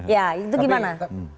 ya itu gimana